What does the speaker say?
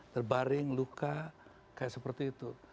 terbaring luka kayak seperti itu